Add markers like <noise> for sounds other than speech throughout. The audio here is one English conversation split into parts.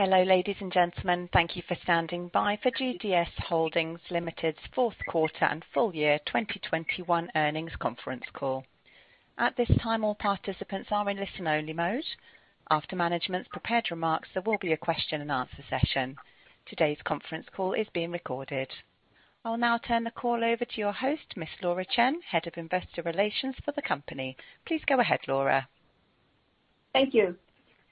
Hello, ladies and gentlemen. Thank you for standing by for GDS Holdings Limited's fourth quarter and full year 2021 earnings conference call. At this time, all participants are in listen-only mode. After management's prepared remarks, there will be a question-and-answer session. Today's conference call is being recorded. I'll now turn the call over to your host, Ms Laura Chen, Head of Investor Relations for the company. Please go ahead, Laura. Thank you.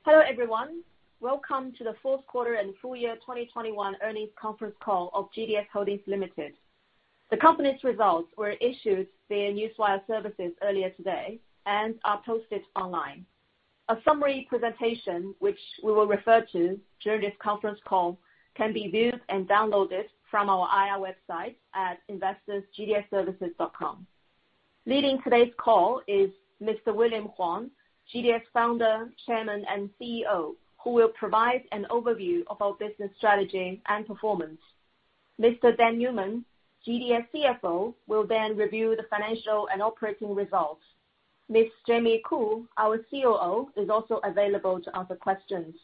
Hello, everyone. Welcome to the fourth quarter and full year 2021 earnings conference call of GDS Holdings Limited. The company's results were issued via newswire services earlier today and are posted online. A summary presentation, which we will refer to during this conference call, can be viewed and downloaded from our IR website at investors.gds-services.com. Leading today's call is Mr William Huang, GDS Founder, Chairman, and CEO, who will provide an overview of our business strategy and performance. Mr Dan Newman, GDS CFO, will then review the financial and operating results. Ms Jamie Khoo, our COO, is also available to answer questions.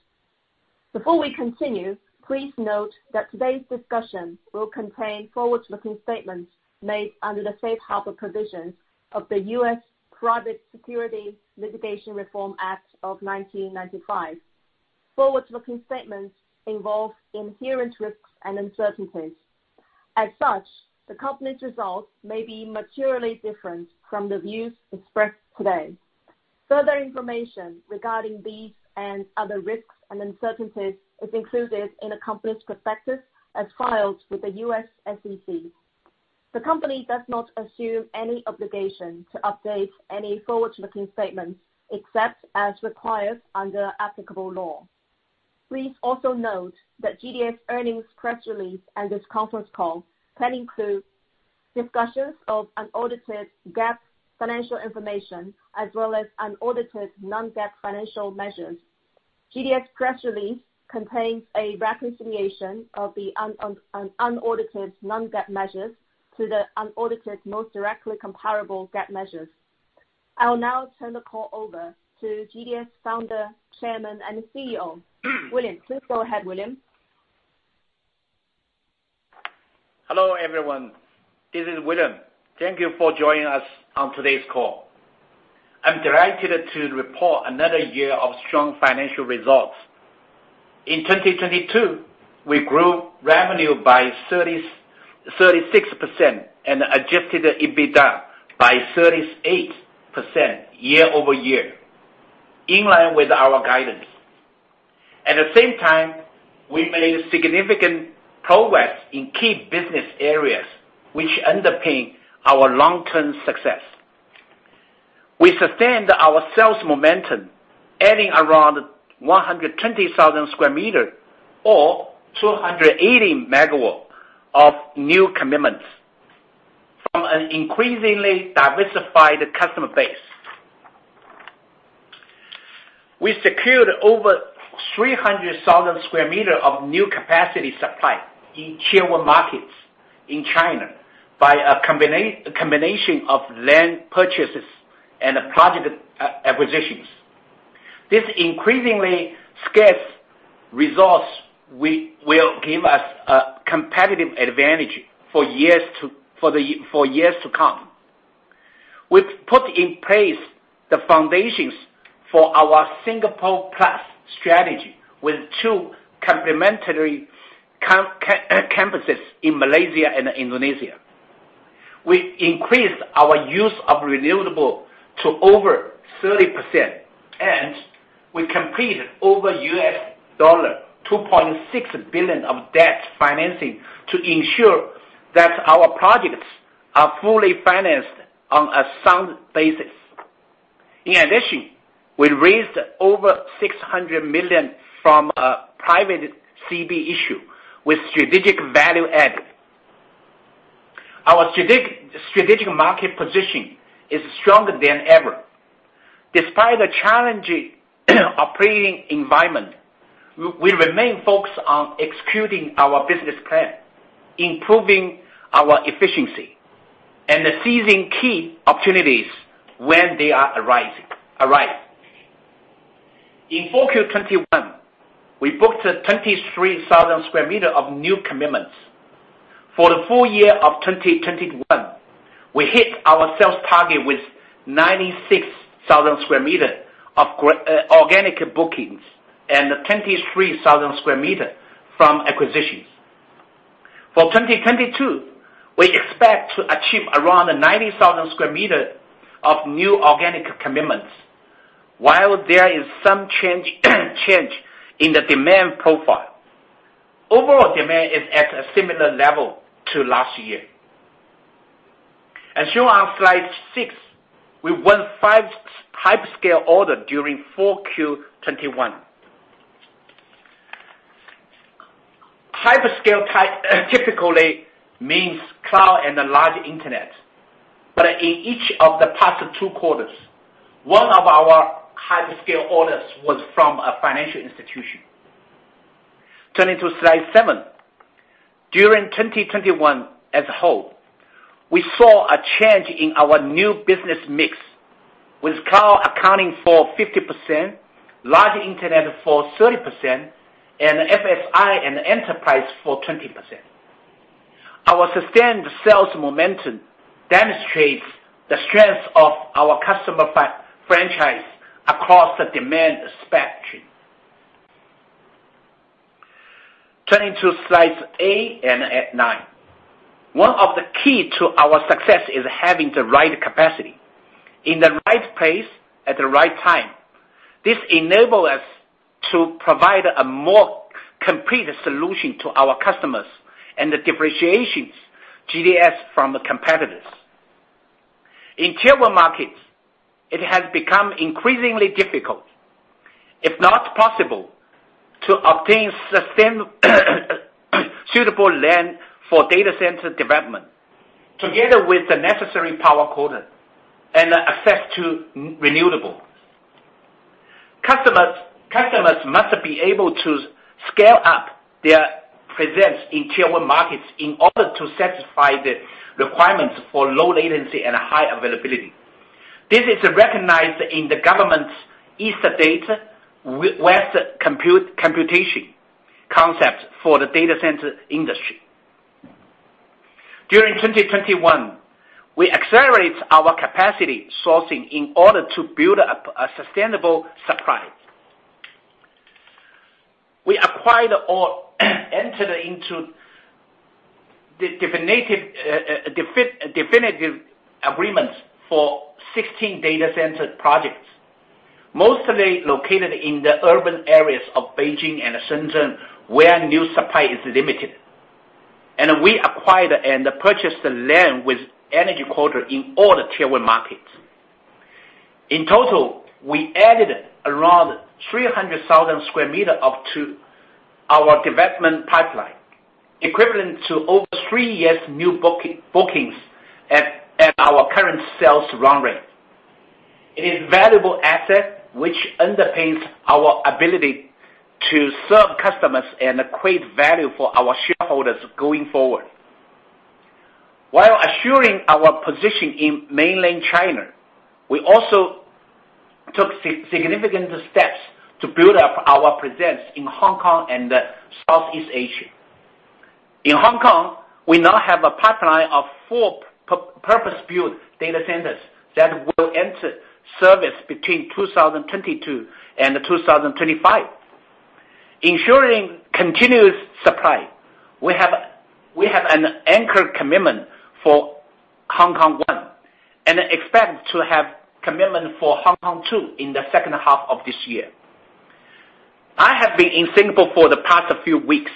Before we continue, please note that today's discussion will contain forward-looking statements made under the safe harbor provisions of the U.S. Private Securities Litigation Reform Act of 1995. Forward-looking statements involve inherent risks and uncertainties. As such, the company's results may be materially different from the views expressed today. Further information regarding these and other risks and uncertainties is included in the company's prospectus as filed with the U.S. SEC. The company does not assume any obligation to update any forward-looking statements except as required under applicable law. Please also note that GDS earnings press release and this conference call can include discussions of unaudited GAAP financial information as well as unaudited non-GAAP financial measures. GDS press release contains a reconciliation of the unaudited non-GAAP measures to the unaudited most directly comparable GAAP measures. I'll now turn the call over to GDS Founder, Chairman, and CEO, William Huang. Please go ahead, William Huang. Hello, everyone. This is William. Thank you for joining us on today's call. I'm delighted to report another year of strong financial results. In 2022, we grew revenue by 36% and adjusted EBITDA by 38% year-over-year, in line with our guidance. At the same time, we made significant progress in key business areas which underpin our long-term success. We sustained our sales momentum, adding around 120,000 sq m or 280 MW of new commitments from an increasingly diversified customer base. We secured over 300,000 sq m of new capacity supply in Tier 1 markets in China by a combination of land purchases and project acquisitions. These increasingly scarce resources will give us a competitive advantage for years to come. We've put in place the foundations for our Singapore Plus strategy with two complementary campuses in Malaysia and Indonesia. We increased our use of renewable to over 30%, and we completed over $2.6 billion of debt financing to ensure that our projects are fully financed on a sound basis. In addition, we raised over 600 million from a private CB issue with strategic value add. Our strategic market position is stronger than ever. Despite the challenging operating environment, we remain focused on executing our business plan, improving our efficiency, and seizing key opportunities when they arise. In 1Q 2021, we booked 23,000 sq m of new commitments. For the full year of 2021, we hit our sales target with 96,000 sq m of organic bookings and 23,000 sq m from acquisitions. For 2022, we expect to achieve around 90,000 sq m of new organic commitments. While there is some change in the demand profile, overall demand is at a similar level to last year. As shown on slide six, we won five hyperscale orders during 4Q 2021. Hyperscale typically means cloud and a large internet. But in each of the past two quarters, one of our hyperscale orders was from a financial institution. Turning to slide seven. During 2021 as a whole, we saw a change in our new business mix, with cloud accounting for 50%, large internet for 30%, and FSI and enterprise for 20%. Our sustained sales momentum demonstrates the strength of our customer franchise across the demand spectrum. Turning to slides eight and nine. One of the key to our success is having the right capacity in the right place at the right time. This enable us to provide a more complete solution to our customers and the differentiations GDS from the competitors. In Tier 1 markets, it has become increasingly difficult, if not possible, to obtain sustained suitable land for data center development, together with the necessary power quota and access to non-renewable. Customers must be able to scale up their presence in Tier 1 markets in order to satisfy the requirements for low latency and high availability. This is recognized in the government's East Data, West Computation concept for the data center industry. During 2021, we accelerate our capacity sourcing in order to build up a sustainable supply. We acquired or entered into definitive agreements for 16 data center projects, mostly located in the urban areas of Beijing and Shenzhen, where new supply is limited. We acquired and purchased the land with energy quota in all the Tier 1 markets. In total, we added around 300,000 square meters to our development pipeline, equivalent to over three years new bookings at our current sales run rate. It is valuable asset which underpins our ability to serve customers and create value for our shareholders going forward. While assuring our position in mainland China, we also took significant steps to build up our presence in Hong Kong and Southeast Asia. In Hong Kong, we now have a pipeline of four purpose-built data centers that will enter service between 2022 and 2025. Ensuring continuous supply, we have an anchor commitment for Hong Kong 1, and expect to have commitment for Hong Kong 2 in the second half of this year. I have been in Singapore for the past few weeks.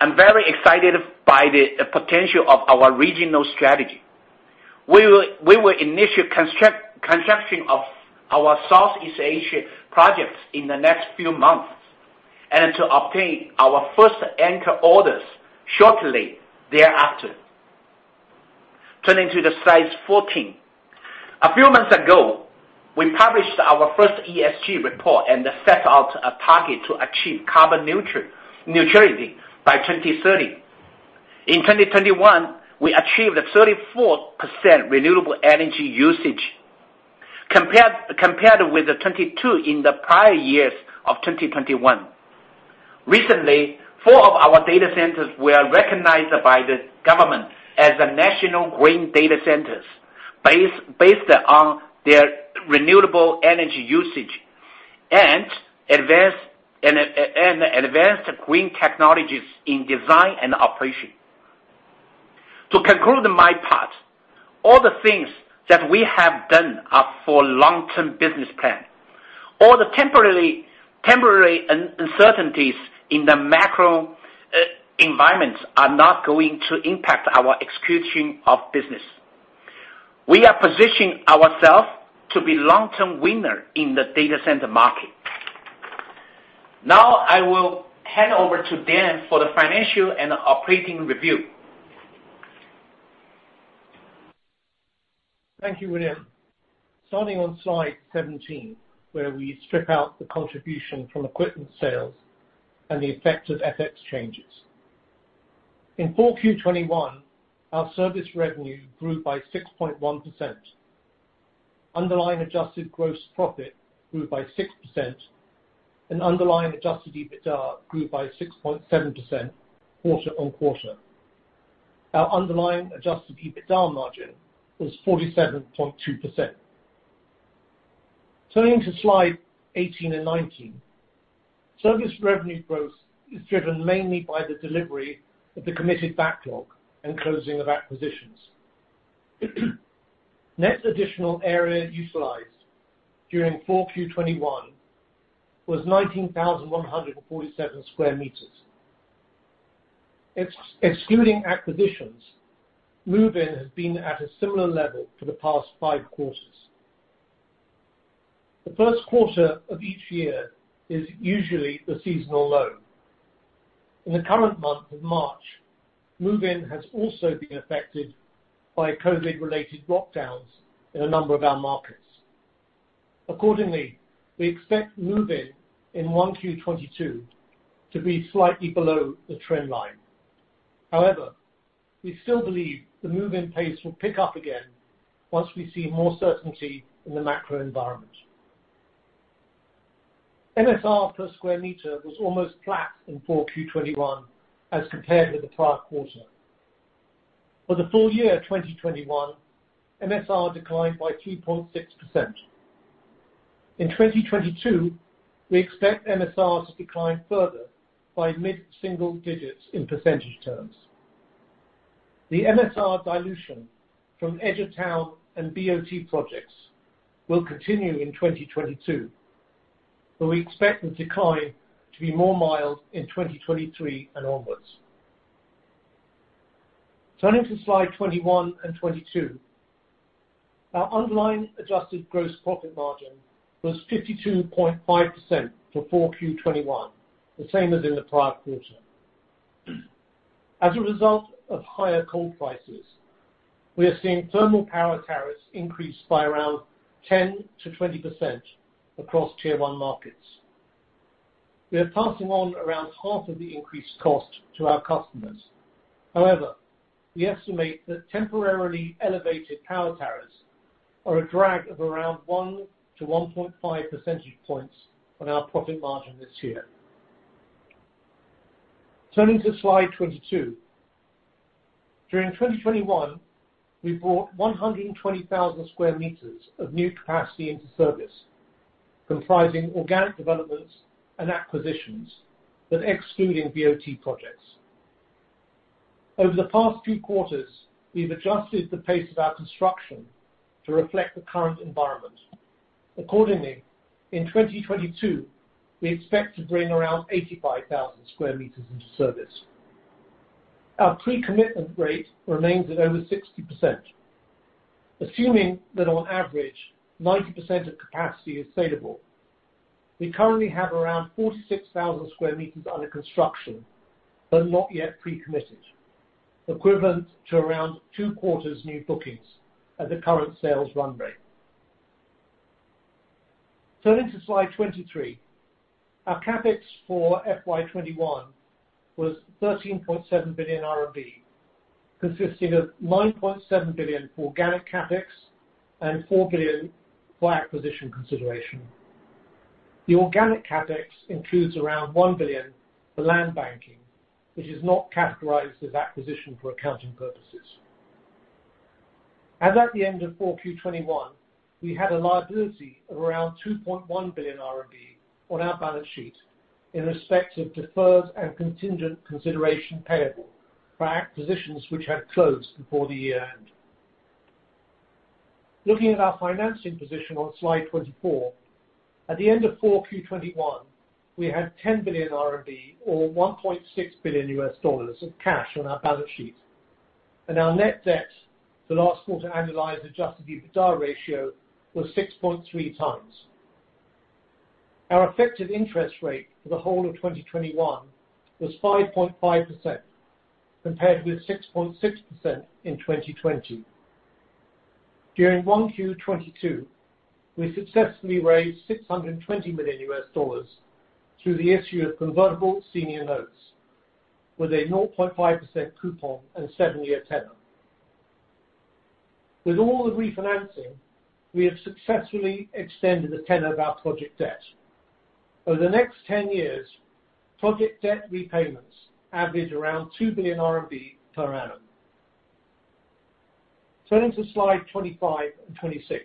I'm very excited by the potential of our regional strategy. We will initiate construction of our Southeast Asia projects in the next few months, and to obtain our first anchor orders shortly thereafter. Turning to slide 14. A few months ago, we published our first ESG report and set out a target to achieve carbon neutrality by 2030. In 2021, we achieved a 34% renewable energy usage compared with the 22% in the prior year of 2020. Recently, four of our data centers were recognized by the government as national green data centers based on their renewable energy usage and advanced green technologies in design and operation. To conclude my part, all the things that we have done are for long-term business plan. All the temporary uncertainties in the macro environments are not going to impact our execution of business. We are positioning ourselves to be long-term winner in the data center market. Now, I will hand over to Dan for the financial and operating review. Thank you, William. Starting on slide 17, where we strip out the contribution from equipment sales and the effect of FX changes. In 4Q 2021, our service revenue grew by 6.1%. Underlying adjusted gross profit grew by 6%, and underlying adjusted EBITDA grew by 6.7% quarter-on-quarter. Our underlying adjusted EBITDA margin was 47.2%. Turning to slides 18 and 19. Service revenue growth is driven mainly by the delivery of the committed backlog and closing of acquisitions. Net additional area utilized during 4Q 2021 was 19,147 sq m. Excluding acquisitions, move-in has been at a similar level for the past 5 quarters. The first quarter of each year is usually the seasonal low. In the current month of March, move-in has also been affected by COVID-related lockdowns in a number of our markets. Accordingly, we expect move-in in 1Q 2022 to be slightly below the trend line. However, we still believe the move-in pace will pick up again once we see more certainty in the macro environment. MSR per sq m was almost flat in 4Q 2021 as compared with the prior quarter. For the full year 2021, MSR declined by 2.6%. In 2022, we expect MSR to decline further by mid-single digits in percentage terms. The MSR dilution from edge of town and BOT projects will continue in 2022, but we expect the decline to be more mild in 2023 and onwards. Turning to slide 21 and 22. Our underlying adjusted gross profit margin was 52.5% for 4Q 2021, the same as in the prior quarter. As a result of higher coal prices, we are seeing thermal power tariffs increase by around 10%-20% across Tier 1 markets. We are passing on around half of the increased cost to our customers. However, we estimate that temporarily elevated power tariffs are a drag of around 1-1.5 percentage points on our profit margin this year. Turning to slide 22. During 2021, we brought 120,000 sq m of new capacity into service, comprising organic developments and acquisitions, but excluding BOT projects. Over the past few quarters, we've adjusted the pace of our construction to reflect the current environment. Accordingly, in 2022, we expect to bring around 85,000 sq m into service. Our pre-commitment rate remains at over 60%. Assuming that on average, 90% of capacity is saleable, we currently have around 46,000 sq m under construction, but not yet pre-committed, equivalent to around two quarters' new bookings at the current sales run rate. Turning to slide 23. Our CapEx for FY 2021 was 13.7 billion RMB, consisting of 9.7 billion organic CapEx and 4 billion for acquisition consideration. The organic CapEx includes around 1 billion for land banking, which is not categorized as acquisition for accounting purposes. As at the end of 4Q 2021, we had a liability of around 2.1 billion RMB on our balance sheet in respect of deferred and contingent consideration payable for acquisitions which had closed before the year end. Looking at our financing position on slide 24. At the end of 4Q 2021, we had 10 billion RMB or $1.6 billion of cash on our balance sheet. Our net debt to last quarter annualized adjusted EBITDA ratio was 6.3x. Our effective interest rate for the whole of 2021 was 5.5%, compared with 6.6% in 2020. During 1Q 2022, we successfully raised $620 million through the issue of convertible senior notes with a 0.5% coupon and seven-year tenor. With all the refinancing, we have successfully extended the tenor of our project debt. Over the next 10 years, project debt repayments average around 2 billion RMB per annum. Turning to slides 25 and 26.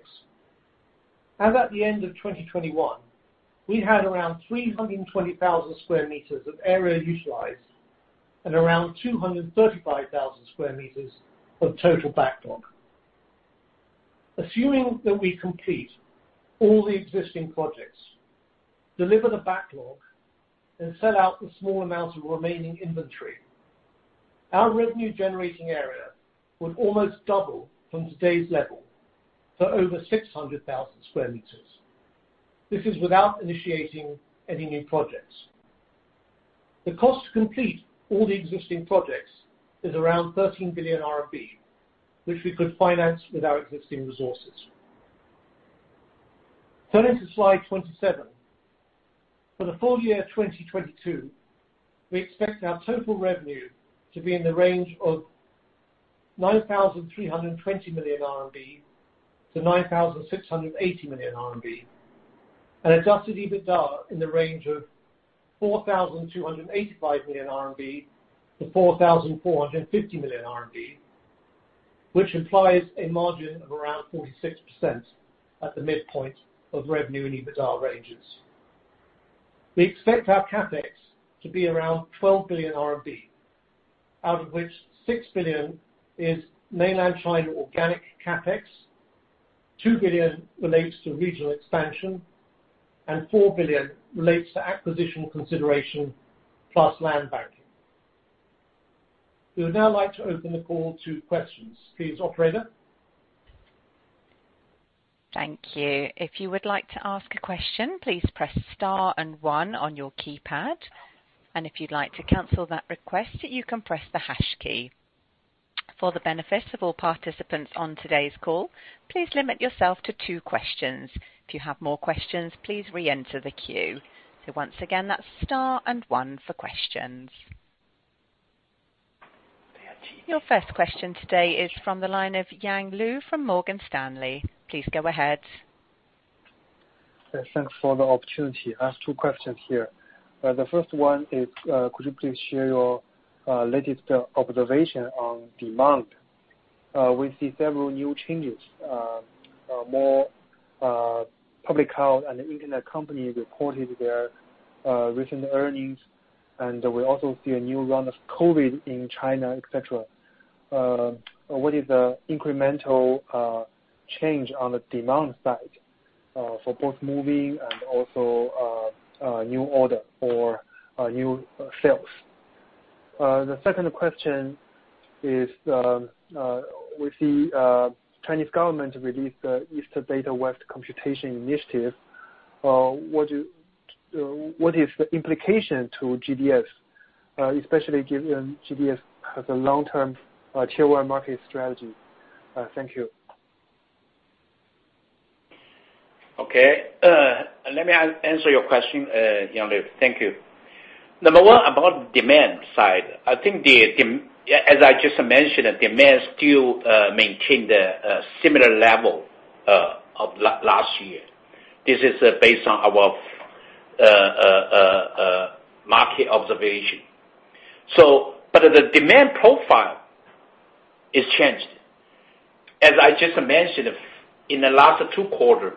As at the end of 2021, we had around 320,000 sq m of area utilized and around 235,000 sq m of total backlog. Assuming that we complete all the existing projects, deliver the backlog and sell out the small amounts of remaining inventory, our revenue-generating area would almost double from today's level to over 600,000 sq m. This is without initiating any new projects. The cost to complete all the existing projects is around 13 billion RMB, which we could finance with our existing resources. Turning to slide 27. For the full year 2022, we expect our total revenue to be in the range of 9,320 million-9,680 million RMB, and adjusted EBITDA in the range of 4,285 million-4,450 million RMB, which implies a margin of around 46% at the midpoint of revenue and EBITDA ranges. We expect our CapEx to be around 12 billion RMB, out of which 6 billion is Mainland China organic CapEx, 2 billion relates to regional expansion, and 4 billion relates to acquisition consideration plus land banking. We would now like to open the call to questions. Please, operator. Thank you. If you would like to ask a question, please press star and one on your keypad. And if you'd like to cancel that request, you can press the hash key. For the benefit of all participants on today's call, please limit yourself to two questions. If you have more questions, please re-enter the queue. Once again, that's star and one for questions. Your first question today is from the line of Yang Liu from Morgan Stanley. Please go ahead. Yeah. Thanks for the opportunity. I have two questions here. The first one is, could you please share your latest observation on demand? We see several new changes. More public cloud and internet companies reported their recent earnings, and we also see a new round of COVID in China, et cetera. What is the incremental change on the demand side for both moving and also new order for new sales? The second question is, we see Chinese government released the East Data, West Computation initiative. What is the implication to GDS, especially given GDS has a long-term Tier 1 market strategy? Thank you. Okay. Let me answer your question, Yang Liu. Thank you. Number one, about demand side. I think as I just mentioned, the demand still maintain the similar level of last year. This is based on our market observation. The demand profile is changed. As I just mentioned, in the last two quarter,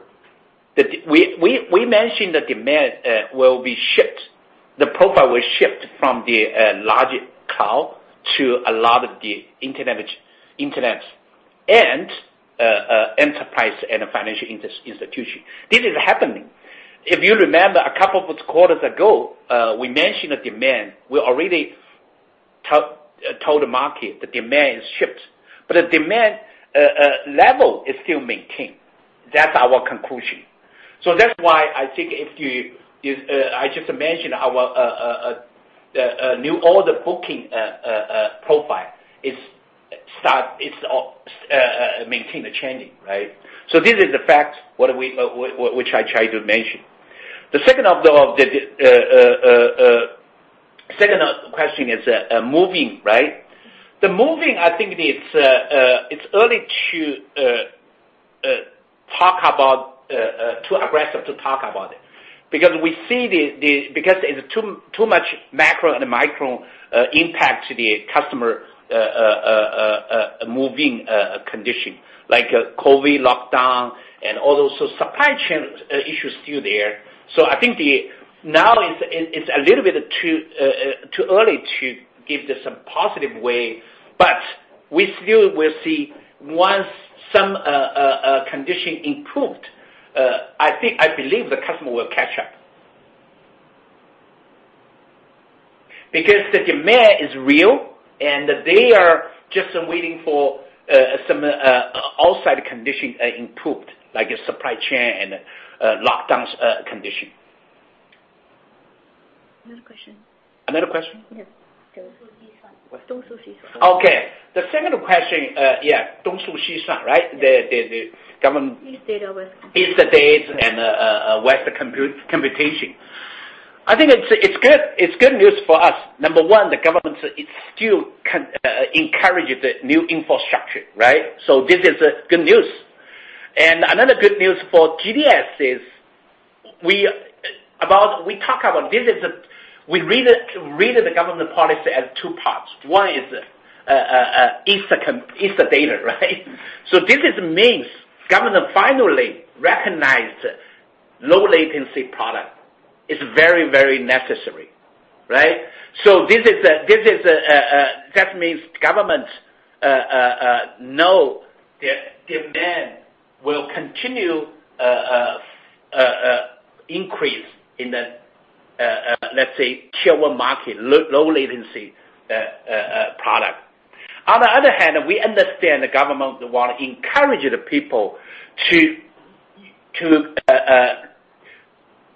we mentioned the demand will be shifted. The profile will shift from the large cloud to a lot of the internet, and enterprise, and financial institution. This is happening. If you remember a couple of quarters ago, we mentioned the demand. We already told the market the demand is shifted. The demand level is still maintained. That's our conclusion. That's why I think if you.. I just mentioned our new order booking profile is starting to maintain the trend, right? This is the fact which I tried to mention. The second question is moving, right? The moving, I think it's early to talk about it. It's too aggressive to talk about it. Because it's too much macro and micro impact to the customer moving condition, like COVID lockdown and all those. Supply chain issue is still there. I think the, now is a little bit too early to give this a positive way, but we still will see once some condition improved. I think I believe the customer will catch up. Because the demand is real, and they are just waiting for some outside condition improved, like supply chain and lockdowns condition. Another question. Another question? Yes. East Data, West Computation. 东数西算. Okay. The second question, yeah, East Data, West Computation, right? The government East Data, West Computation. East Data and West Computation. I think it's good news for us. Number one, the government still encourages the new infrastructure, right? This is good news. Another good news for GDS is we talk about this. We read the government policy as two parts. One is East Data, right? This means government finally recognized low latency product is very necessary, right? This means government knows the demand will continue increase in the, let's say, Tier 1 market, low-latency product. On the other hand, we understand the government wants to encourage the people to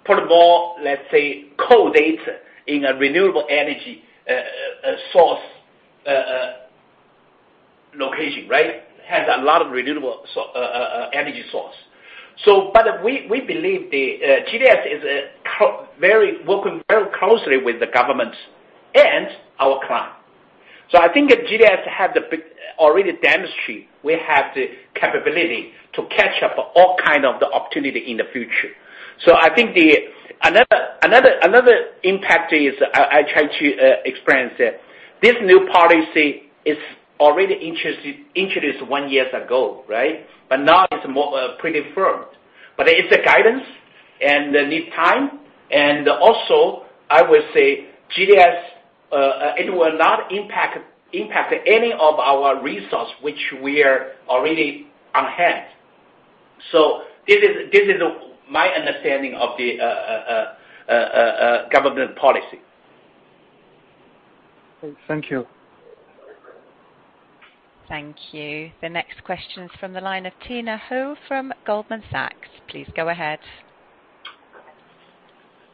put more, let's say, core data in a renewable energy source location, right? It has a lot of renewable energy source. We believe GDS is working very closely with the government and our clients. I think GDS has already demonstrated we have the capability to catch up all kinds of opportunities in the future. Another impact is, I'll try to explain, that this new policy was already introduced one year ago, right? Now it's more pretty firm. It's a guidance, and needs time. I will say GDS, it will not impact any of our resource which we are already on hand. This is my understanding of the government policy. Thank you. Thank you. The next question is from the line of Tina Hou from Goldman Sachs. Please go ahead.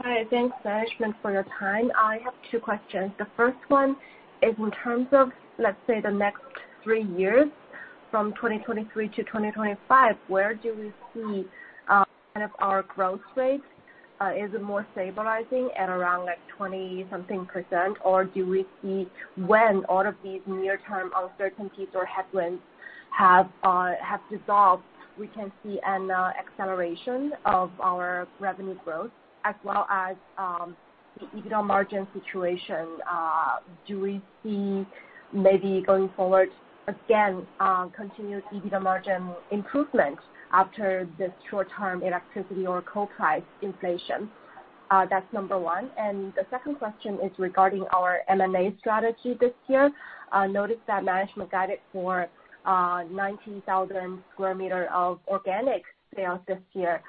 Hi, thanks management for your time. I have two questions. The first one is in terms of, let's say, the next three years, from 2023 to 2025, where do we see, kind of, our growth rate? Is it more stabilizing at around like 20-something percent? Or do we see when all of these near-term uncertainties or headwinds have dissolved, we can see an acceleration of our revenue growth as well as the EBITDA margin situation? Do we see maybe going forward again, continued EBITDA margin improvement after the short-term electricity or coal price inflation? That's number one. The second question is regarding our M&A strategy this year. Noticed that management guided for 19,000 sq m of organic sales this year.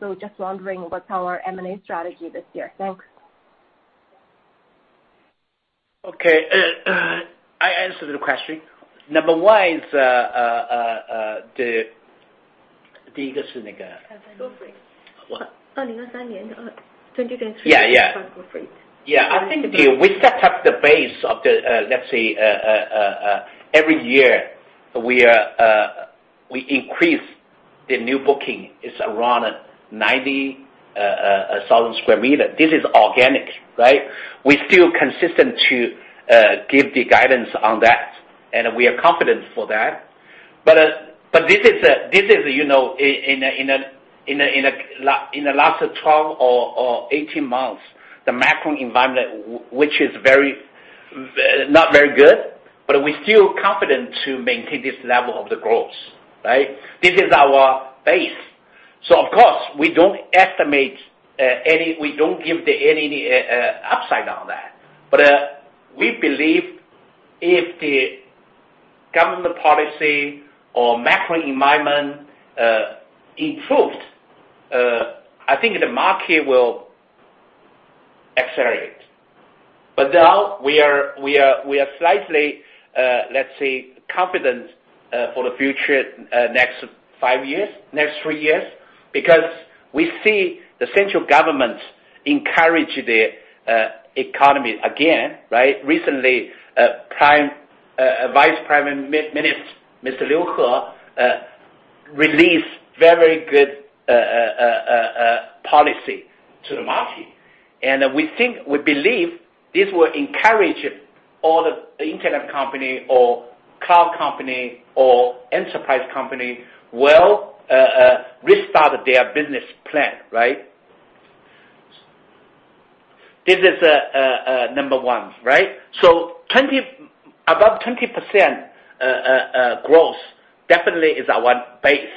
So, just wondering what's our M&A strategy this year. Thanks. I answer the question. Number one is the base. I think we set up the base. Let's say every year we increase the new booking. It's around 90,000 sq m. This is organic, right? We still consistent to give the guidance on that, and we are confident for that. This is in the last 12 or 18 months, the macro environment, which is not very good, but we're still confident to maintain this level of the growth, right? This is our base. Of course, we don't estimate any. We don't give any upside on that. We believe if the government policy or macro environment improved, I think the market will accelerate. Now we are slightly, let's say confident for the future, next five years, next three years, because we see the central government encourage the economy again, right? Recently, Vice <audio distortion> Mr. Liu, he released a very good policy to the market. We think, we believe this will encourage all the internet company or cloud company or enterprise company will restart their business plan, right? This is number one, right? Above 20% growth definitely is our base.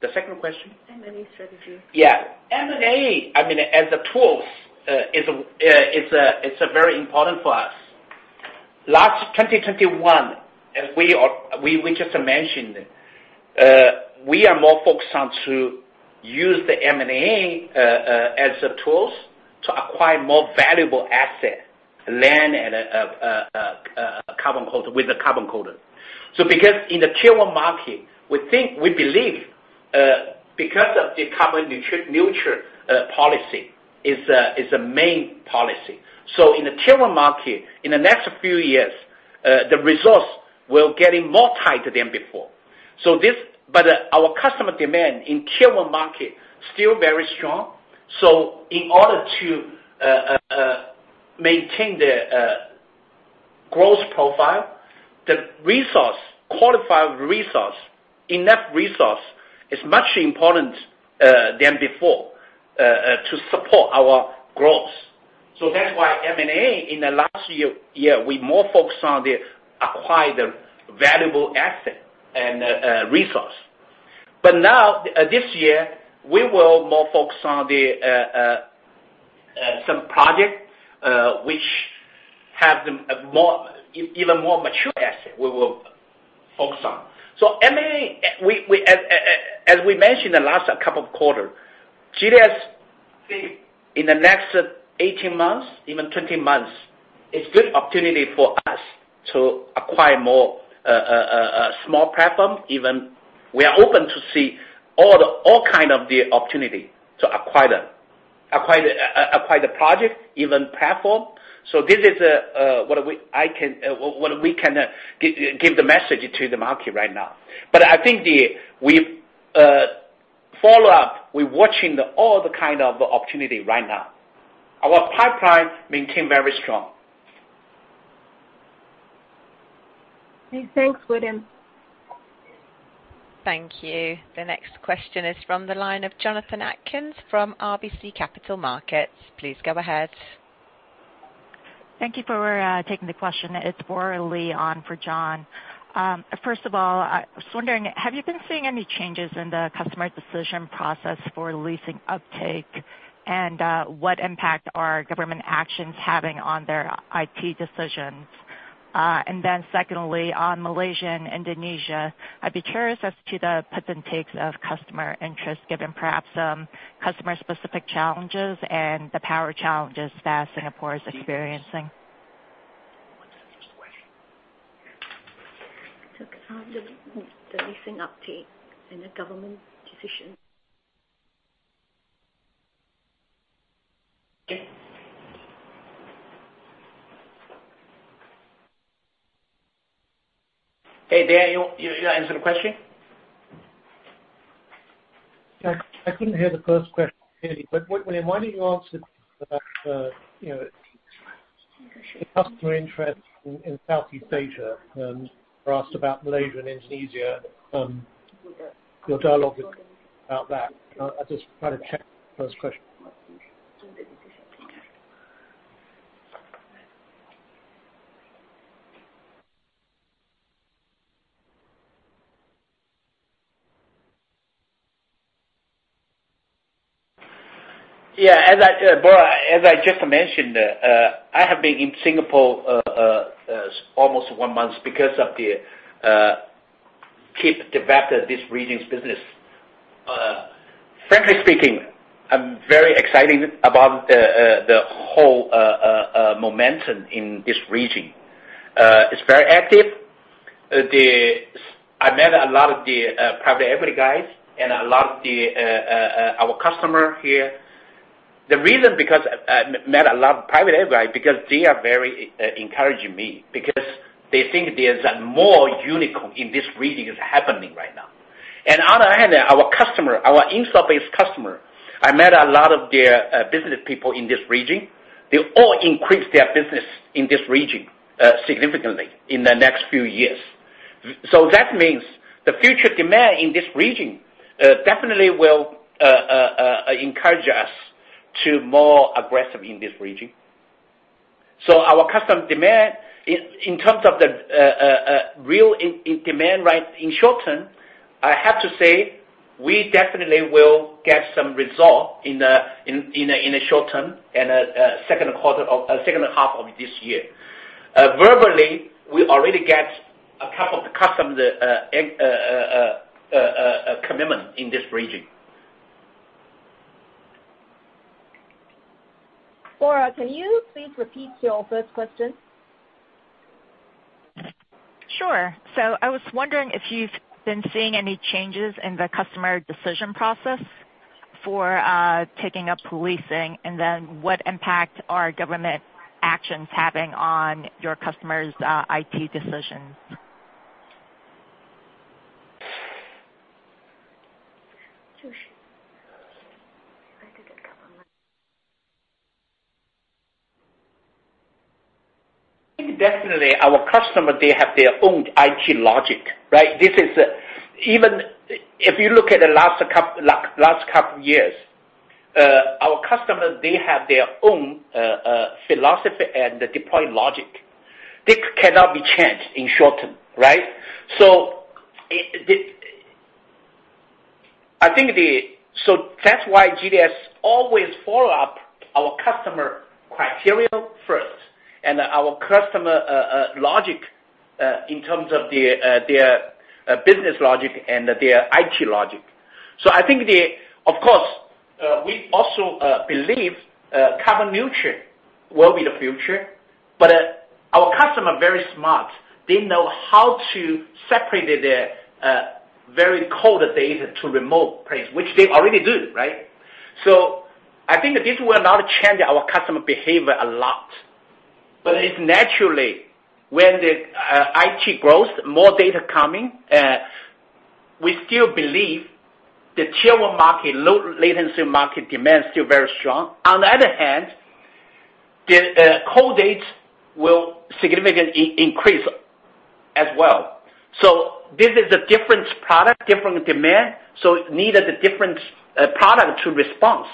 The second question? M&A strategy. Yeah. M&A, I mean, as a tools, is a very important for us. Last 2021, as we just mentioned, we are more focused on to use the M&A, as a tools to acquire more valuable asset, land and carbon quota, with the carbon quota. Because in the Tier 1 market, we think, we believe, because of the carbon neutral policy is a main policy. In the Tier 1 market, in the next few years, the resource will getting more tight than before. This but our customer demand in Tier 1 market still very strong. In order to maintain the growth profile, the resource qualified resource, enough resource is much important than before to support our growth. That's why M&A in the last year, we more focused on the acquire the valuable asset and resource. Now, this year, we will more focus on some project which have even more mature asset we will focus on. M&A, as we mentioned the last couple of quarter, GDS think in the next 18 months, even 20 months, it's good opportunity for us to acquire more small platform even. We are open to see all kind of the opportunity to acquire the project, even platform. This is what we can give the message to the market right now. I think we follow up, we're watching all the kind of opportunity right now. Our pipeline maintains very strong. Okay, thanks, William. Thank you. The next question is from the line of Jonathan Atkin from RBC Capital Markets. Please go ahead. Thank you for taking the question. It's Bora Lee on for John. First of all, I was wondering, have you been seeing any changes in the customer decision process for leasing uptake? What impact are government actions having on their IT decisions? Secondly, on Malaysia and Indonesia, I'd be curious as to the puts and takes of customer interest, given perhaps customer-specific challenges and the power challenges that Singapore is experiencing. The leasing uptake and the government decision. Okay. Hey, Dan, you answer the question? I couldn't hear the first question clearly. William, why don't you answer that customer interest in Southeast Asia, or asked about Malaysia and Indonesia, your dialogue about that. I just tried to check first question. Yeah. As I, well, as I just mentioned, I have been in Singapore almost one month because to keep developing this region's business. Frankly speaking, I'm very excited about the whole momentum in this region. It's very active. I met a lot of the private equity guys and a lot of our customers here. The reason is because I met a lot of private equity guys because they are very encouraging me because they think there's more unicorns in this region happening right now. On the other hand, our customers, our internet-based customers, I met a lot of their business people in this region. They all increase their business in this region significantly in the next few years. That means the future demand in this region definitely will encourage us to more aggressive in this region. Our customer demand in terms of the real demand, right? In short term, I have to say we definitely will get some result in a short term and second half of this year. Verbally, we already get a couple of customer commitment in this region. Bora, can you please repeat your first question? Sure. I was wondering if you've been seeing any changes in the customer decision process for taking up leasing, and then what impact are government actions having on your customers' IT decisions? I think definitely our customer they have their own IT logic, right? This is even if you look at the last couple years, our customers, they have their own philosophy and deploy logic. This cannot be changed in short term, right? That's why GDS always follow up our customer criteria first and our customer logic in terms of their business logic and their IT logic. I think. Of course, we also believe carbon neutral will be the future. Our customer very smart. They know how to separate their very cold data to remote place, which they already do, right? I think this will not change our customer behaviour a lot. It's naturally when the IT grows, more data coming, we still believe the Tier 1 market, low-latency market demand is still very strong. On the other hand, the cold data will significantly increase as well. This is a different product, different demand, so it needed a different product to respond.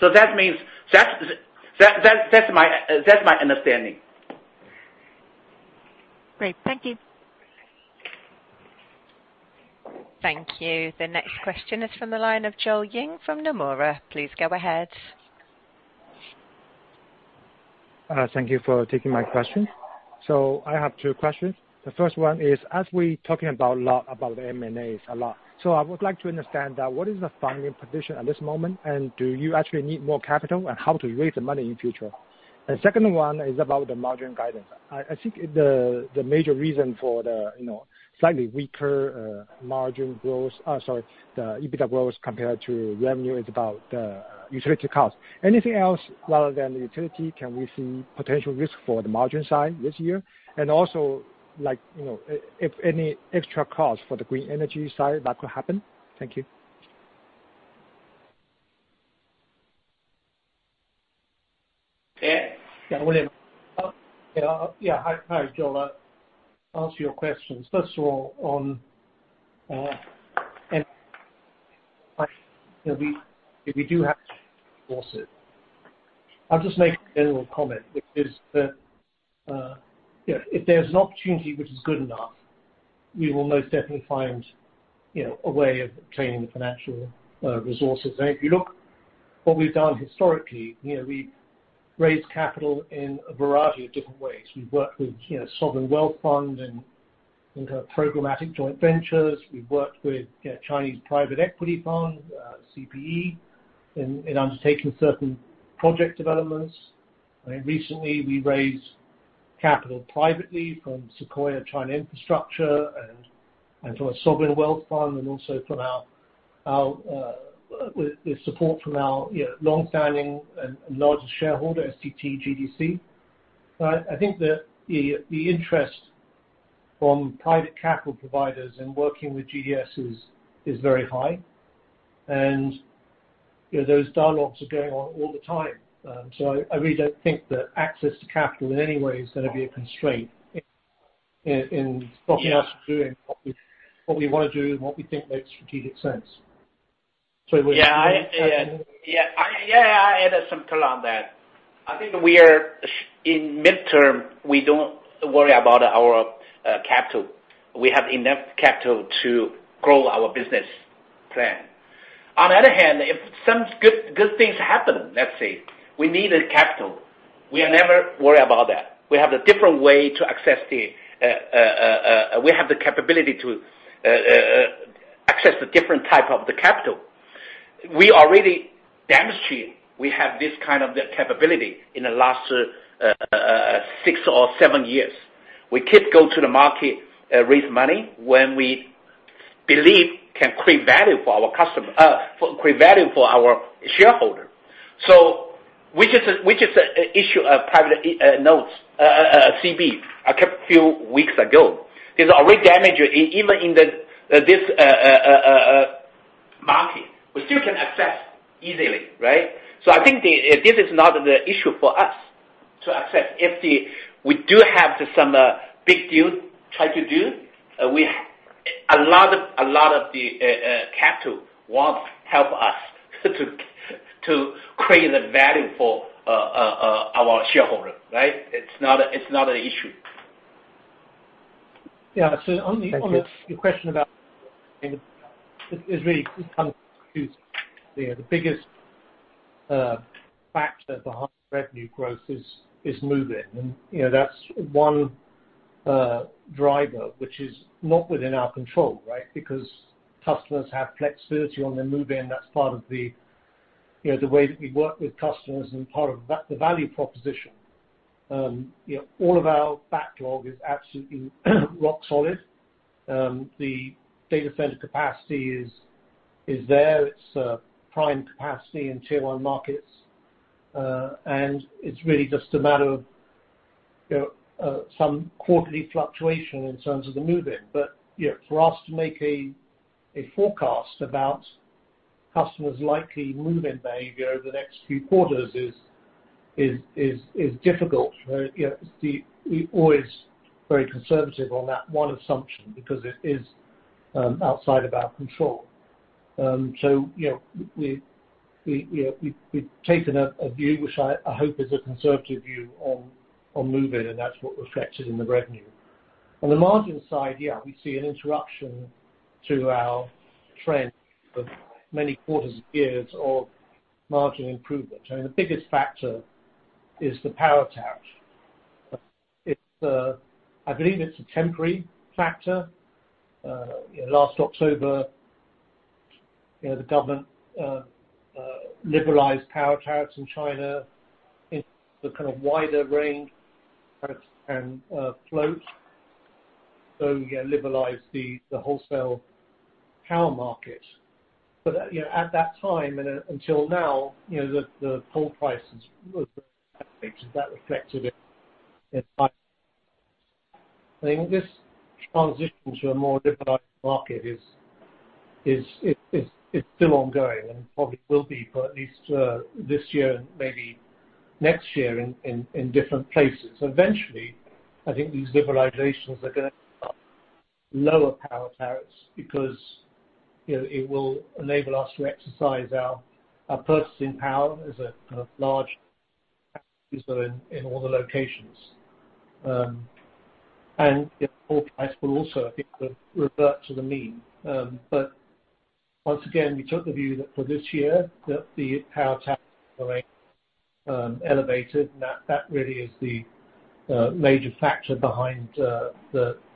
That means that's my understanding. Great. Thank you. Thank you. The next question is from the line of Joel Ying from Nomura. Please go ahead. Thank you for taking my question. I have two questions. The first one is, as we talking about a lot about the M&As a lot, so I would like to understand, what is the funding position at this moment, and do you actually need more capital and how to raise the money in future? The second one is about the margin guidance. I think the major reason for the slightly weaker margin growth, sorry, the EBITDA growth compared to revenue is about the utility cost. Anything else rather than the utility can we see potential risk for the margin side this year? Also, like, you know, if any extra cost for the green energy side that could happen. Thank you. Yeah. Yeah. William. Hi, Joel. I'll answer your questions. First of all, I'll just make a general comment, which is that, if there's an opportunity which is good enough, we will most definitely find a way of obtaining the financial resources. If you look what we've done historically, we've raised capital in a variety of different ways. We've worked with sovereign wealth fund and kind of programmatic joint ventures. We've worked with Chinese private equity funds, CPE in undertaking certain project developments. I mean, recently we raised capital privately from Sequoia China Infrastructure and from a sovereign wealth fund, and also with support from our long-standing and largest shareholder, STT GDC. I think the interest from private capital providers in working with GDS is very high. Those dialogues are going on all the time. I really don't think that access to capital in any way is gonna be a constraint in stopping us from doing what we wanna do and what we think makes strategic sense. I added some color on that. I think we are in midterm, we don't worry about our capital. We have enough capital to grow our business plan. On the other hand, if some good things happen, let's say, we needed capital, we are never worry about that. We have a different way. We have the capability to access the different type of the capital. We already demonstrate we have this kind of capability in the last six or seven years. We keep go to the market, raise money when we believe can create value for our customer, create value for our shareholder. We just issue private notes, CB, a few weeks ago. There's great demand even in this market. We still can access easily, right? I think this is not the issue for us to access. We do have some big deals to try to do. A lot of the capital wants to help us to create the value for our shareholder, right? It's not an issue. Yeah. On the Thank you. Your question about it is really kind of confusing. The biggest factor behind revenue growth is move-in. That's one driver, which is not within our control, right? Because customers have flexibility on their move-in. That's part of the way that we work with customers and part of the value proposition. All of our backlog is absolutely rock solid. The data center capacity is there. It's prime capacity in Tier 1 markets. And it's really just a matter of some quarterly fluctuation in terms of the move-in. For us to make a forecast about customers' likely move-in behaviour over the next few quarters is difficult. You know, the We're always very conservative on that one assumption because it is outside of our control. You know, we've taken a view which I hope is a conservative view on move-in, and that's what reflected in the revenue. On the margin side, yeah, we see an interruption to our trend of many quarters and years of margin improvement. The biggest factor is the power tariff. It's, I believe, it's a temporary factor. You know, last October, the government liberalized power tariffs in China in the kind of wider range and float. Yeah, liberalize the wholesale power market. At that time and until now the coal price has... That reflected in price. I think this transition to a more liberalized market is still ongoing and probably will be for at least this year and maybe next year in different places. Eventually, I think these liberalizations are gonna lower power tariffs because it will enable us to exercise our purchasing power as a kind of large user in all the locations. The coal price will also, I think, revert to the mean. Once again, we took the view that for this year, that the power tariff remain elevated, and that really is the major factor behind the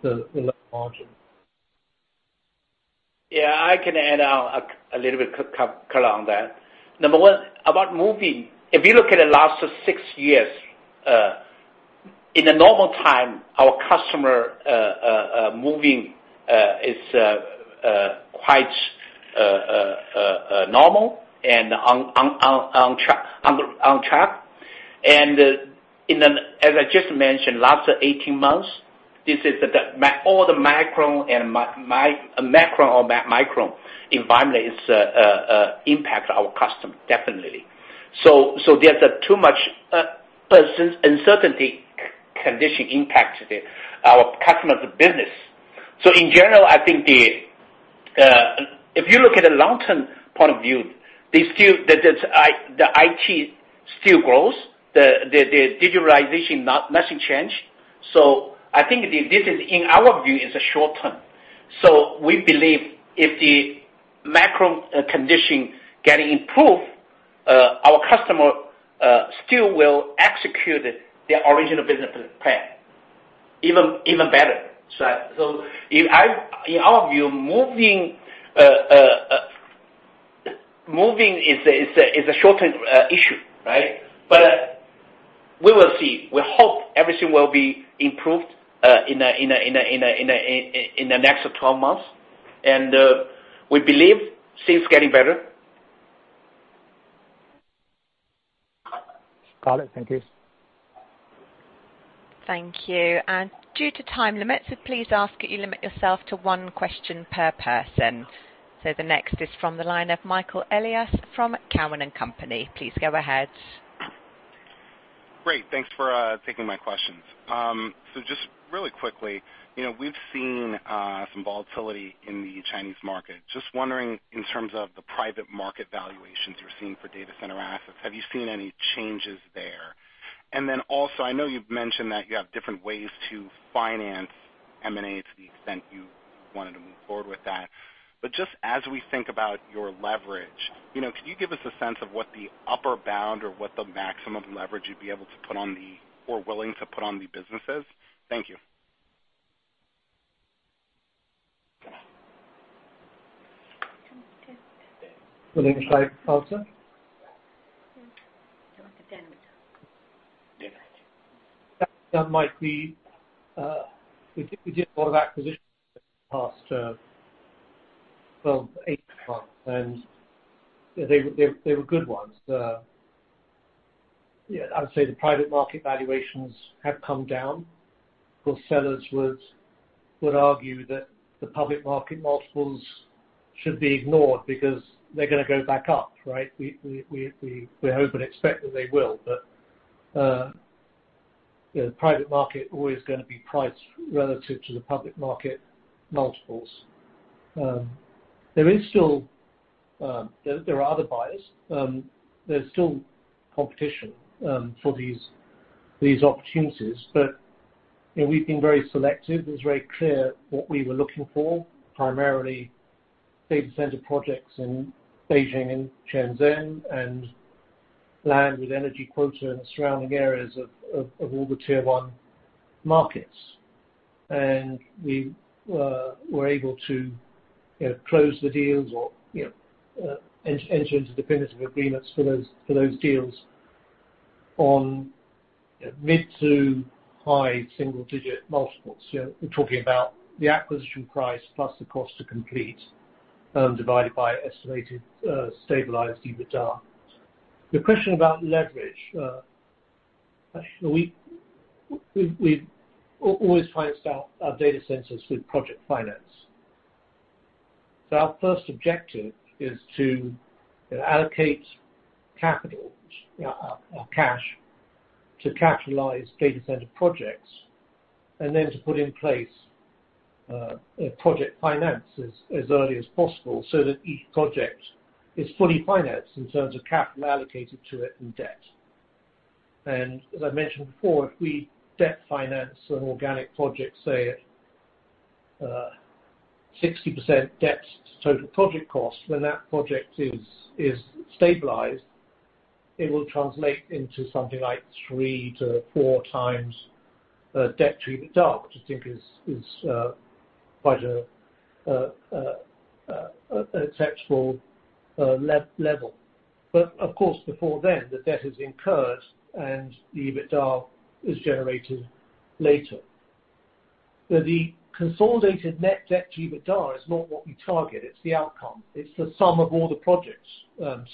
low margin. Yeah. I can add a little bit color on that. Number one, about moving, if you look at the last six years, in a normal time, our customer moving is quite normal and on track. As I just mentioned, last 18 months, this is all the micro and macro environment impacts our customer, definitely. There's too much personal uncertainty condition impacts our customers' business. In general, I think if you look at the long-term point of view, the IT still grows, the digitalization has not changed. I think this in our view, is a short-term. We believe if the macro condition get improved, our customer still will execute their original business plan even better. In our view, moving is a short-term issue, right? We will see. We hope everything will be improved in the next 12 months. We believe things getting better. Got it. Thank you. Thank you. Due to time limits, please ask that you limit yourself to one question per person. The next is from the line of Michael Elias from Cowen and Company. Please go ahead. Great. Thanks for taking my questions. So just really quickly, you know, we've seen some volatility in the Chinese market. Just wondering, in terms of the private market valuations you're seeing for data center assets, have you seen any changes there? And then also, I know you've mentioned that you have different ways to finance M&As to the extent you wanted to move forward with that. But just as we think about your leverage, you know, can you give us a sense of what the upper bound or what the maximum leverage you'd be able to put on the or willing to put on the businesses? Thank you. Would you like also? That might be we did a lot of acquisitions in the past eight months, and they were good ones. Yeah, I'd say the private market valuations have come down. Of course, sellers would argue that the public market multiples should be ignored because they're gonna go back up, right? We hope and expect that they will. You know, private market always gonna be priced relative to the public market multiples. There are other buyers. There's still competition for these opportunities. You know, we've been very selective. It's very clear what we were looking for, primarily data center projects in Beijing and Shenzhen and land with energy quota in the surrounding areas of all the Tier 1 markets. We were able to, you know, close the deals or, you know, enter into definitive agreements for those deals on mid- to high-single-digit multiples. You know, we're talking about the acquisition price plus the cost to complete divided by estimated stabilized EBITDA. The question about leverage, we always finance our data centers with project finance. Our first objective is to allocate cash to capitalize data center projects and then to put in place project finance as early as possible so that each project is fully financed in terms of capital allocated to it and debt. As I mentioned before, if we debt finance an organic project, say at 60% debt to total project cost, when that project is stabilized, it will translate into something like 3x-4x debt to EBITDA, which I think is a quite acceptable level. Of course, before then, the debt is incurred, and the EBITDA is generated later. The consolidated net debt to EBITDA is not what we target, it's the outcome. It's the sum of all the projects.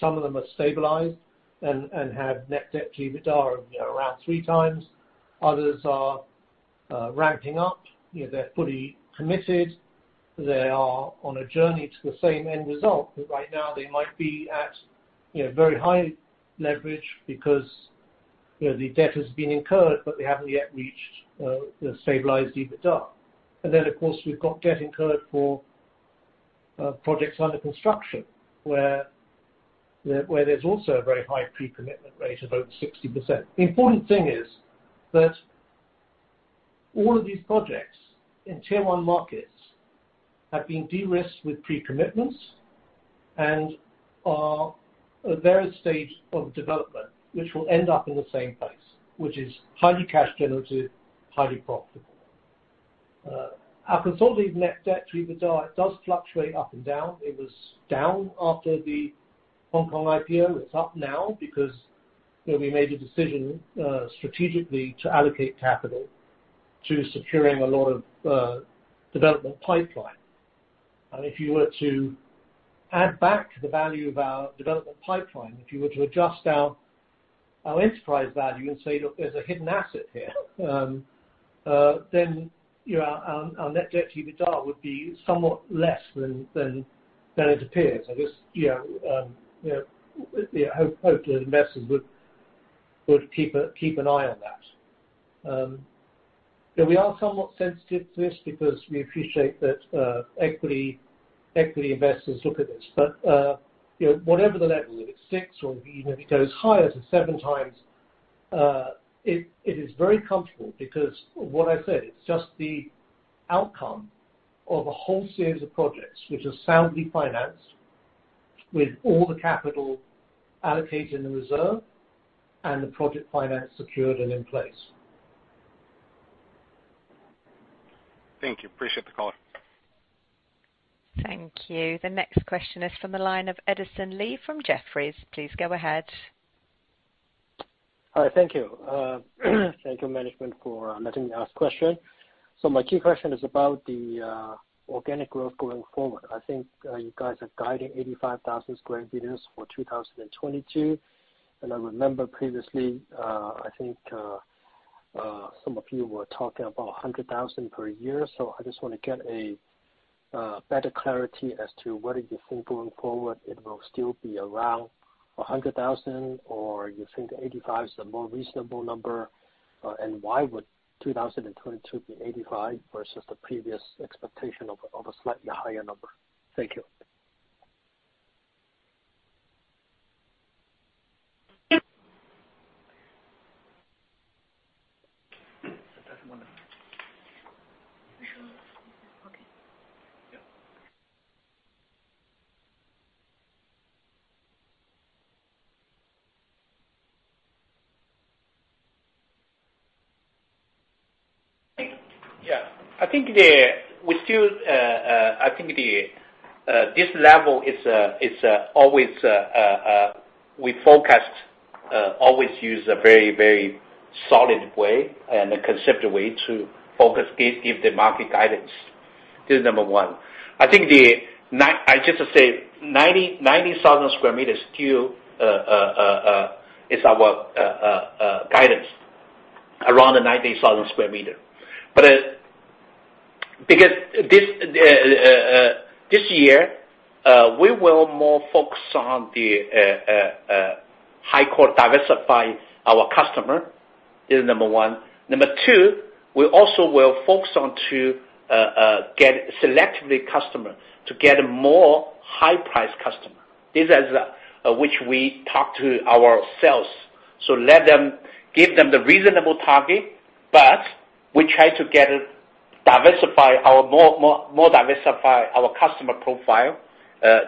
Some of them are stabilized and have net debt to EBITDA of, you know, around 3x. Others are ramping up. You know, they're fully committed. They are on a journey to the same end result. Right now, they might be at very high leverage because, you know, the debt has been incurred, but they haven't yet reached the stabilized EBITDA. Then, of course, we've got debt incurred for projects under construction, where there's also a very high pre-commitment rate of over 60%. The important thing is that all of these projects in Tier 1 markets have been de-risked with pre-commitments and are at various stage of development, which will end up in the same place, which is highly cash generative, highly profitable. Our consolidated net debt to EBITDA does fluctuate up and down. It was down after the Hong Kong IPO. It's up now because, you know, we made a decision strategically to allocate capital to securing a lot of development pipeline. If you were to add back the value of our development pipeline, if you were to adjust our enterprise value and say, "Look, there's a hidden asset here," then you know, our net debt to EBITDA would be somewhat less than it appears. I just you know, hopefully investors would keep an eye on that. We are somewhat sensitive to this because we appreciate that equity investors look at this. Whatever the level, if it's 6x or even if it goes higher to 7x, it is very comfortable because what I said, it's just the outcome of a whole series of projects which are soundly financed with all the capital allocated in the reserve and the project finance secured and in place. Thank you. Appreciate the call. Thank you. The next question is from the line of Edison Lee from Jefferies. Please go ahead. Hi. Thank you. Thank you, management, for letting me ask question. My key question is about the organic growth going forward. I think you guys are guiding 85,000 sq m for 2022. I remember previously, I think some of you were talking about 100,000 per year. I just wanna get a better clarity as to whether you think going forward it will still be around 100,000, or you think 85 is the more reasonable number. Why would 2022 be 85 versus the previous expectation of a slightly higher number? Thank you. That's wonderful. Sure. Okay. Yeah. Yeah. I think we still forecast always use a very solid way and a conservative way to give the market guidance. This is number one. I think I just say 90,000 sq m still is our guidance. Around the 90,000 sq m. This year we will more focus on the high-quality diversify our customer is number one. Number two, we also will focus on to get selectively customer to get more high-price customer. This is which we talk to our sales. Let them give them the reasonable target, but we try to get more diversified our customer profile.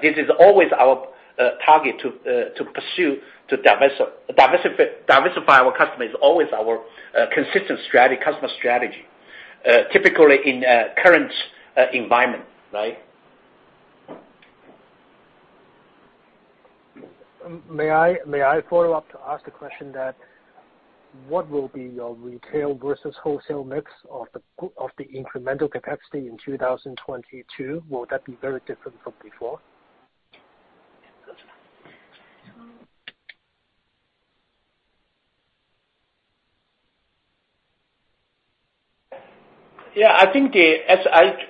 This is always our target to pursue to diversify our customers. Always our consistent strategy, customer strategy, typically in current environment, right? May I follow up to ask the question that what will be your retail versus wholesale mix of the incremental capacity in 2022? Will that be very different from before? Yeah, I think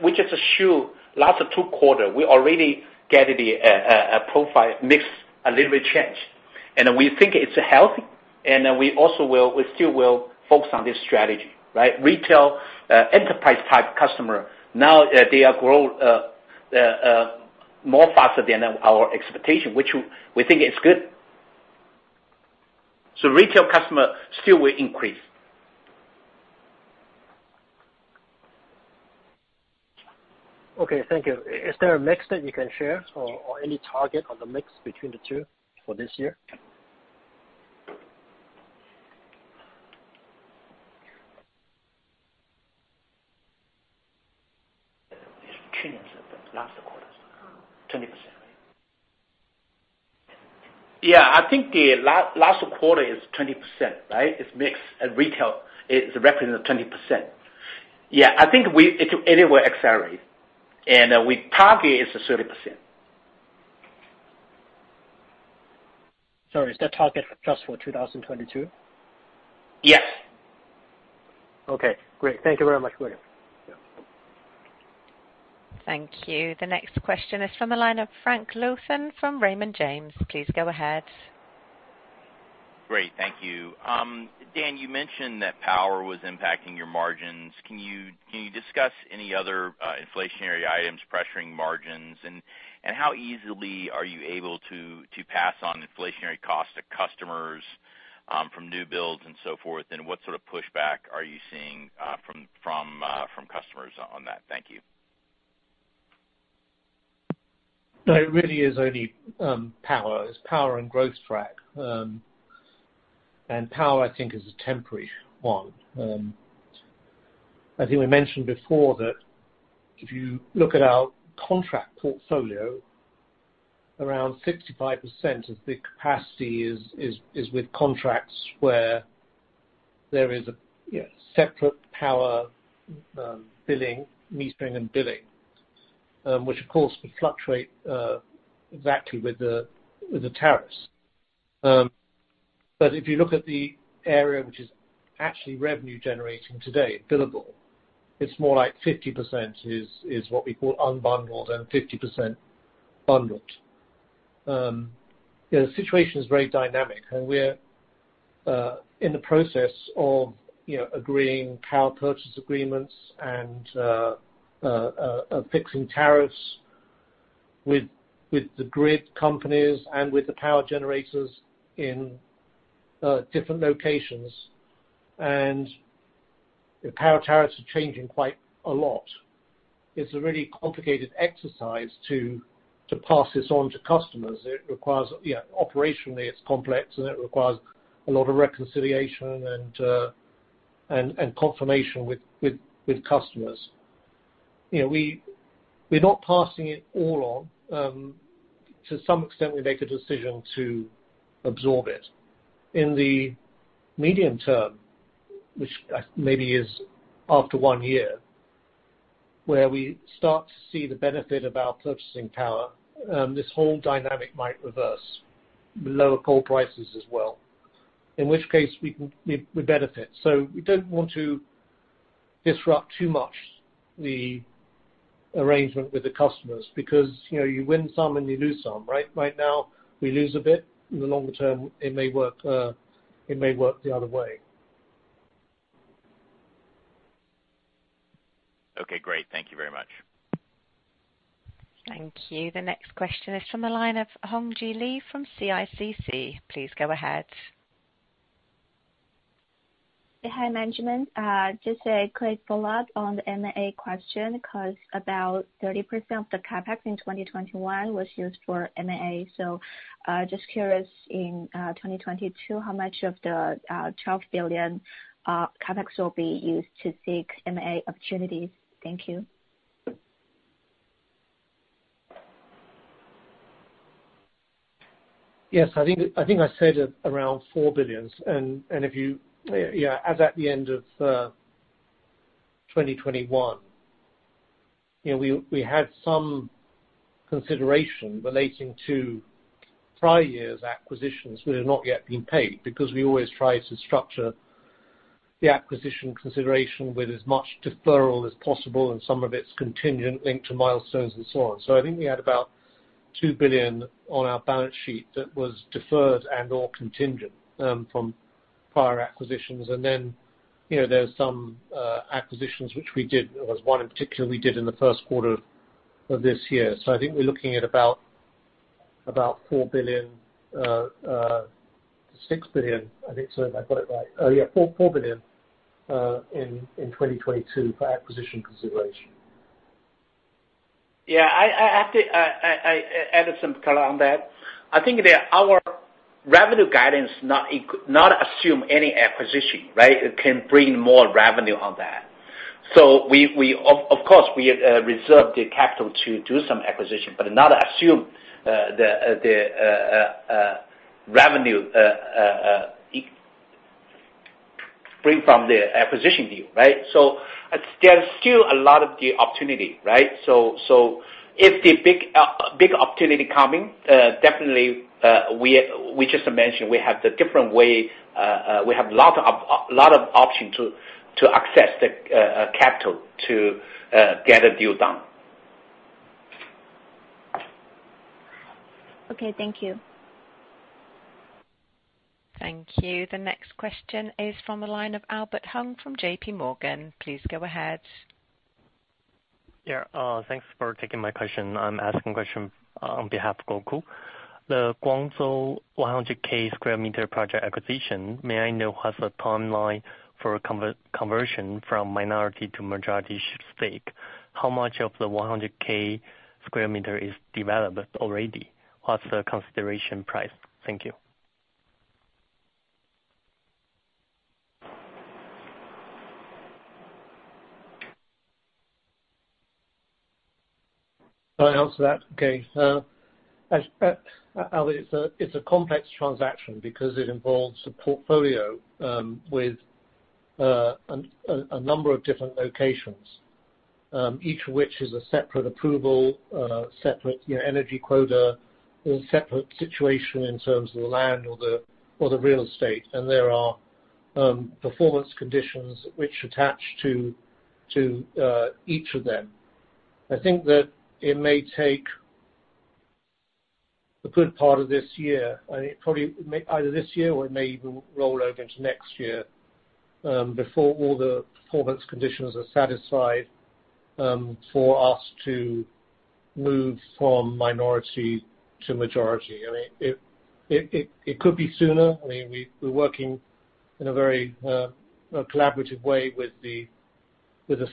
we just showed last two quarters. We already got a profile mix a little bit changed. We think it's healthy. We still will focus on this strategy, right? Retail enterprise type customers now they are growing more faster than our expectation, which we think is good. Retail customers still will increase. Okay, thank you. Is there a mix that you can share or any target on the mix between the two for this year? Last quarter, 20%. Yeah. I think the last quarter is 20%, right? It's mixed at retail. It is representing 20%. Yeah. I think it will accelerate, and we target is 30%. Sorry, is that target just for 2022? Yes. Okay, great. Thank you very much. Goodbye. Thank you. The next question is from the line of Frank Louthan from Raymond James. Please go ahead. Great. Thank you. Dan, you mentioned that power was impacting your margins. Can you discuss any other inflationary items pressuring margins, and how easily are you able to pass on inflationary costs to customers from new builds and so forth? And what sort of pushback are you seeing from customers on that? Thank you. No, it really is only power. It's power and gross profit. Power, I think, is a temporary one. I think we mentioned before that if you look at our contract portfolio, around 65% of the capacity is with contracts where there is a you know separate power billing metering and billing, which of course would fluctuate exactly with the tariffs. If you look at the area which is actually revenue-generating today, billable, it's more like 50% is what we call unbundled and 50% bundled. You know, the situation is very dynamic and we're in the process of you know agreeing power purchase agreements and fixing tariffs with the grid companies and with the power generators in different locations. The power tariffs are changing quite a lot. It's a really complicated exercise to pass this on to customers. It requires operationally, it's complex, and it requires a lot of reconciliation and confirmation with customers. You know, we're not passing it all on. To some extent, we make a decision to absorb it. In the medium term, which maybe is after one year, where we start to see the benefit of our purchasing power, this whole dynamic might reverse lower coal prices as well. In which case, we benefit. So we don't want to disrupt too much the arrangement with the customers because, you know, you win some and you lose some, right? Right now, we lose a bit. In the longer term, it may work the other way. Okay, great. Thank you very much. Thank you. The next question is from the line of Hongjie Li from CICC. Please go ahead. Hi, management. Just a quick follow-up on the M&A question because about 30% of the CapEx in 2021 was used for M&A. Just curious in 2022, how much of the 12 billion CapEx will be used to seek M&A opportunities? Thank you. Yes. I think I said around 4 billion. Yeah, as at the end of 2021, you know, we had some consideration relating to prior years' acquisitions which have not yet been paid, because we always try to structure the acquisition consideration with as much deferral as possible, and some of it's contingent linked to milestones and so on. I think we had about 2 billion on our balance sheet that was deferred and or contingent from prior acquisitions. You know, there's some acquisitions which we did. There was one in particular we did in the first quarter of this year. I think we're looking at about 4 billion to 6 billion, I think. If I've got it right. Yeah, 4 billion in 2022 for acquisition consideration. Yeah. I have to add some color on that. I think that our revenue guidance not assume any acquisition, right? It can bring more revenue on that. We of course reserve the capital to do some acquisition, but not assume the revenue bring from the acquisition deal, right? There's still a lot of the opportunity, right? If the big opportunity coming, definitely, we just mentioned we have a different way, we have a lot of option to access the capital to get a deal done. Okay, thank you. Thank you. The next question is from the line of Albert Hung from JPMorgan. Please go ahead. Thanks for taking my question. I'm asking a question on behalf of Gokul. The Guangzhou 100K sq m project acquisition, may I know what's the timeline for conversion from minority to majority stake? How much of the 100K sq m is developed already? What's the consideration price? Thank you. Can I answer that? Okay. As Albert, it's a complex transaction because it involves a portfolio with a number of different locations, each of which is a separate approval, separate, you know, energy quota, or separate situation in terms of the land or the real estate. There are performance conditions which attach to each of them. I think that it may take a good part of this year, and it probably may either this year or it may even roll over into next year, before all the performance conditions are satisfied, for us to move from minority to majority. I mean, it could be sooner. I mean, we're working in a very collaborative way with the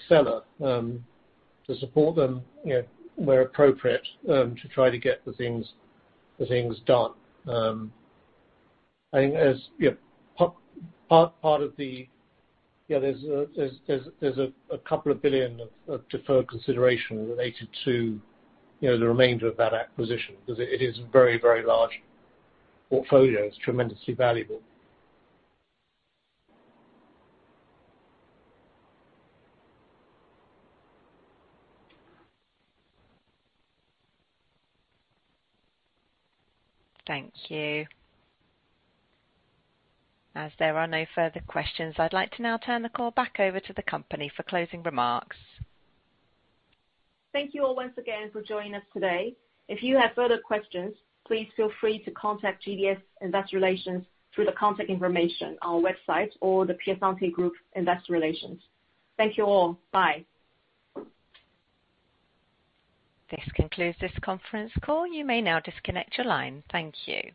seller to support them, you know, where appropriate, to try to get the things done. I think, as you know, part of the. There's 2 billion of deferred consideration related to, you know, the remainder of that acquisition, because it is a very large portfolio. It's tremendously valuable. Thank you. As there are no further questions, I'd like to now turn the call back over to the company for closing remarks. Thank you all once again for joining us today. If you have further questions, please feel free to contact GDS Investor Relations through the contact information on our website or the Piacente Group Investor Relations. Thank you all. Bye. This concludes this conference call. You may now disconnect your line. Thank you.